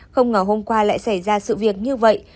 không ngờ hôm qua lại xảy ra sự việc như vậy